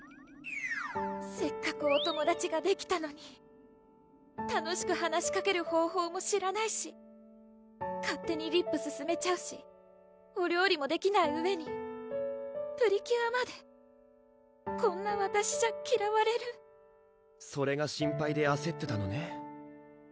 せっかくお友達ができたのに楽しく話しかける方法も知らないし勝手にリップすすめちゃうしお料理もできないうえにプリキュアまでこんなわたしじゃきらわれるそれが心配であせってたのね